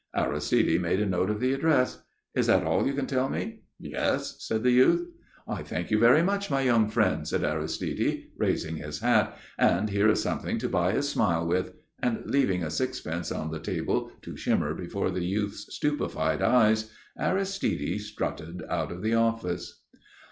Aristide made a note of the address. "Is that all you can tell me?" "Yes," said the youth. "I thank you very much, my young friend," said Aristide, raising his hat, "and here is something to buy a smile with," and, leaving a sixpence on the table to shimmer before the youth's stupefied eyes, Aristide strutted out of the office.